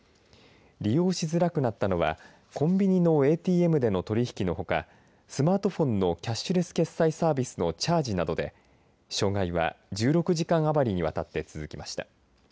利用しづらくなったのはコンビニのＡＴＭでの取引のほかスマートフォンのキャッシュレス決済サービスのチャージなどで障害は１６時間余りにわたって続きました。